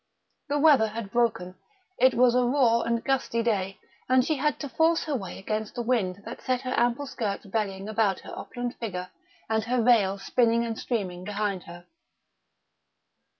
The weather had broken; it was a raw and gusty day; and she had to force her way against the wind that set her ample skirts bellying about her opulent figure and her veil spinning and streaming behind her.